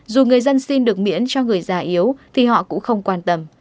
dù người dân xin được miễn cho người già yếu thì họ cũng không quan tâm